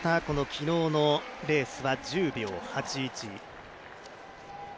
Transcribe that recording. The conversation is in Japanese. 昨日のレースは１０秒８１。